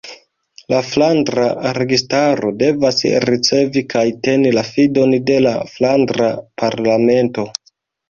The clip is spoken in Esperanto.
La Flandra Registaro devas ricevi kaj teni la fidon de la Flandra Parlamento.